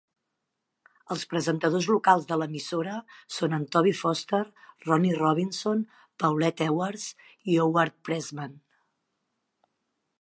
Els presentadors locals de l'emissora són en Toby Foster, Rony Robinson, Paulette Edwards i Howard Pressman.